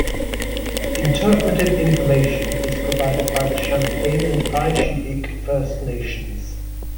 Interpretive information is provided by the Champagne and Aishihik First Nations.